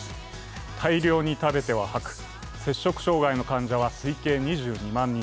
大量に食べては吐く、摂食障害の患者は推計２２万人。